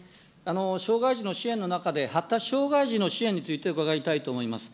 障害児の支援の中で、発達障害児の支援について伺いたいと思います。